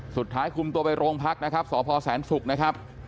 สุดท้ายคุมตัวไปโรงพักนะครับสพแสนศุกร์นะครับ